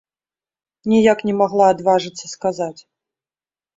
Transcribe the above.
Ніяк не магла адважыцца сказаць.